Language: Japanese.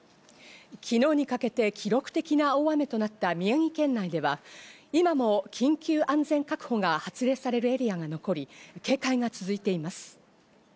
昨日にかけて記録的な大雨となった宮城県内では、今も緊急安全確保が発令されているエリアも残り、警戒が続いています。